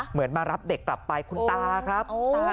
เหมือนมารับเด็กกลับไปคุณตาครับ